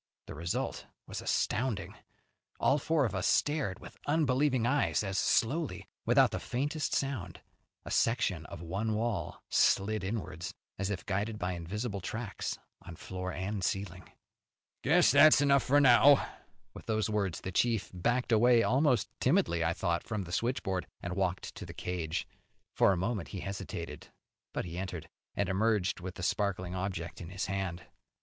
The result was astounding. All four of us stared with unbelieving eyes as slowly, without the faintest sound, a section of one wall slid inwards, as if guided by invisible tracks on floor and ceiling. "Guess that's enough for now." With the words the chief backed away, almost timidly, I thought, from the switchboard, and walked to the cage. For a moment he hesitated, but he entered, and emerged with the sparkling object in his hand.